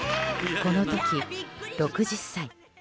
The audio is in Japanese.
この時、６０歳。